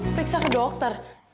periksa ke dokter